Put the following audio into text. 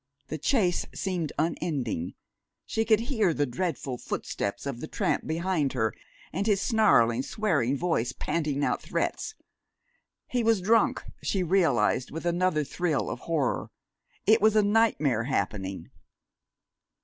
The chase seemed unending. She could hear the dreadful footsteps of the tramp behind her, and his snarling, swearing voice panting out threats. He was drunk, she realized with another thrill of horror. It was a nightmare happening.